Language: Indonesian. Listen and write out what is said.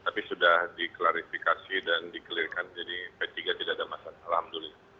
tapi sudah diklarifikasi dan dikelirkan jadi p tiga tidak ada masalah alhamdulillah